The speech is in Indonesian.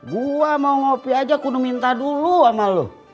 gua mau ngopi aja ku udah minta dulu sama lo